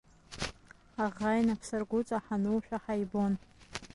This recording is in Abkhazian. Аӷа инапсаргәыҵа ҳанушәа ҳаибон.